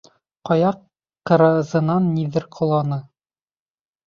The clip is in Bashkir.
Ҡая ҡыразынан ниҙер ҡоланы.